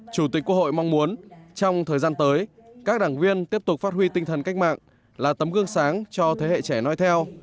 chủ tịch quốc hội mong muốn trong thời gian tới các đảng viên tiếp tục phát huy tinh thần cách mạng là tấm gương sáng cho thế hệ trẻ nói theo